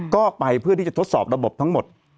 ก็ไปเพื่อที่จะทดสอบระบบทั้งหมด